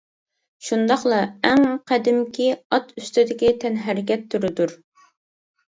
شۇنداقلا، ئەڭ قەدىمكى ئات ئۈستىدىكى تەنھەرىكەت تۈرىدۇر.